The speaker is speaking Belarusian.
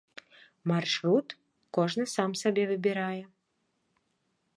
Маршрут кожны сабе сам выбірае.